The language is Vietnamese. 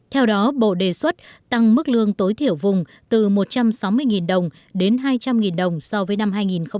theo đó bộ đề xuất tăng mức lương tối thiểu vùng từ một trăm sáu mươi đồng đến hai trăm linh đồng so với năm hai nghìn một mươi bảy